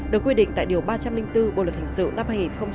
được quy định tại điều ba trăm linh bốn bộ luật hình sự năm hai nghìn một mươi năm